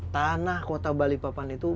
tanah kota balikpapan itu